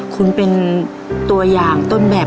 คุณเป็นตัวอย่างต้นแบบ